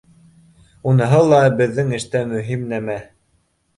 — Уныһы ла беҙҙең эштә мөһим нәмә